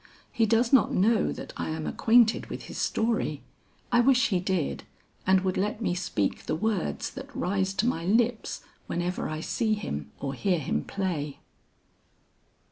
He does not know that I am acquainted with his story. I wish he did and would let me speak the words that rise to my lips whenever I see him or hear him play."